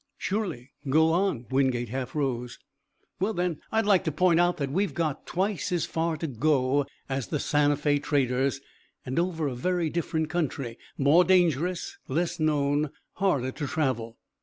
"Surely go on." Wingate half rose. "Well then, I'd like to point out that we've got twice as far to go as the Santa Fé traders, and over a very different country more dangerous, less known, harder to travel.